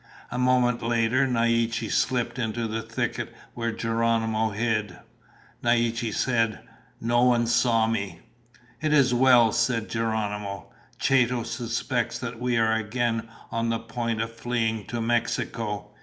A moment later Naiche slipped into the thicket where Geronimo hid. Naiche said, "No one saw me." "It is well," said Geronimo. "Chato suspects that we are again on the point of fleeing to Mexico.